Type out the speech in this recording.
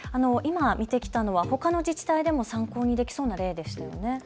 今見てきたのはほかの自治体でも参考にできそうな例でしたね。